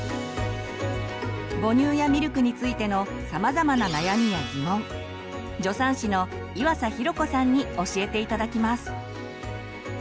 母乳やミルクについてのさまざまな悩みやギモン助産師の岩佐寛子さんに教えて頂きます。